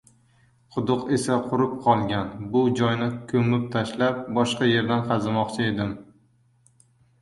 Quduq esa qurib qolgan. Bu joyni koʻmib tashlab, boshqa yerdan qazimoqchi edim.